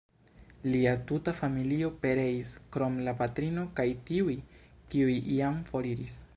Lia tuta familio pereis krom la patrino kaj tiuj, kiuj jam foriris.